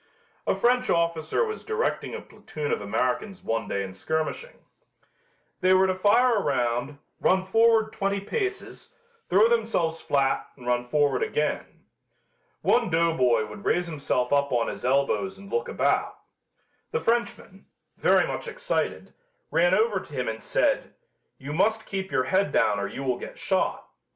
A French officer was directing a platoon of Americans one day in skirmishing. They were to fire a round, run forward twenty paces, throw themselves flat and run forward again. One doughboy would raise himself up on his elbows and look about. The Frenchman, very much excited, ran over to him and said, "You must keep your head down or you will get shot.